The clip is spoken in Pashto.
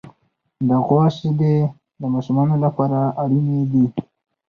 د غوا شیدې د ماشومانو لپاره اړینې دي.